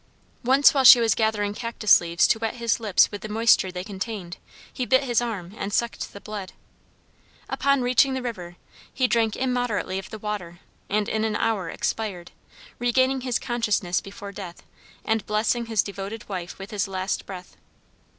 Once while she was gathering cactus leaves to wet his lips with the moisture they contained, he bit his arm and sucked the blood. Upon reaching the river he drank immoderately of the water and in an hour expired, regaining his consciousness before death, and blessing his devoted wife with his last breath.